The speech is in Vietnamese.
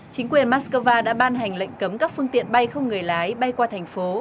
chính quyền moscow đã ban hành lệnh cấm các phương tiện bay không người lái bay qua thành phố